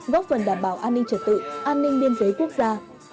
góp phần đảm bảo an ninh trật tự an ninh biên giới quốc gia